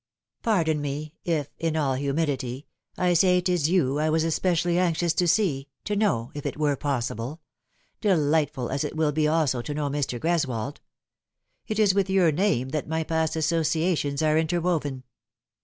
" Pardon me if, in all humility, I say it is you I was especially anxious to see, to know, if it were possible delightful as it will be also to know Mr. Greswold. It is with your name that my past associations are interwoven."